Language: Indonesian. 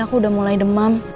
aku udah mulai demam